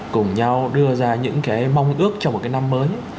cùng nhau đưa ra những cái mong ước cho một cái năm mới